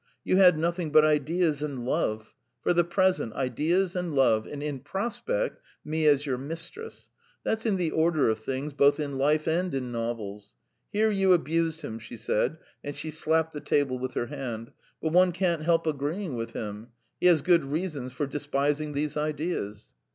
You had nothing but ideas and love. For the present ideas and love, and in prospect me as your mistress. That's in the order of things both in life and in novels. ... Here you abused him," she said, and she slapped the table with her hand, "but one can't help agreeing with him. He has good reasons for despising these ideas."